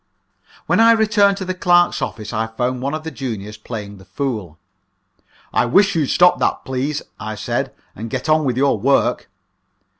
When I returned to the clerks' office I found one of the juniors playing the fool. "I wish you'd stop that, please," I said, "and get on with your work."